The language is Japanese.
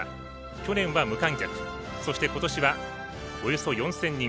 去年は無観客、そしてことしはおよそ４０００人。